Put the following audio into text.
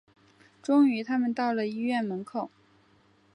终于他们到了医院门口